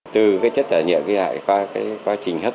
từ chất thải nhựa nguy hại qua quá trình hấp